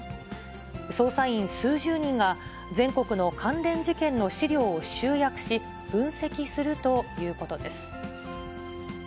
捜査員数十人が、全国の関連事件の資料を集約し、分析するということです。